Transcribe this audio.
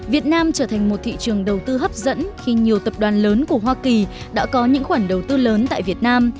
việt nam trở thành một thị trường đầu tư hấp dẫn khi nhiều tập đoàn lớn của hoa kỳ đã có những khoản đầu tư lớn tại việt nam